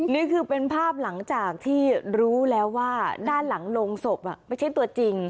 นี่คือเป็นภาพหลังจากที่รู้แล้วว่าด้านหลังโรงศพไม่ใช่ตัวจริง